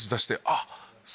あっ！